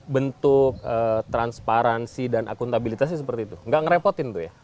bentuk transparansi dan akuntabilitasnya seperti itu nggak ngerepotin tuh ya